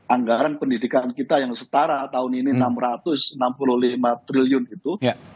anggaran pendidikan kita yang setara tahun ini enam ratus enam puluh lima triliun itu